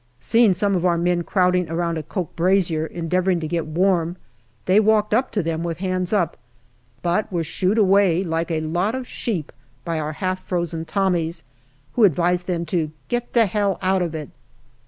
Seeing some of our men crowding around a coke brazier endeavouring to get warm, they walked up to them with hands up, but were " shoo'd" away like a lot of sheep by our half frozen Tommies, who advised them to " get to Hell out of it."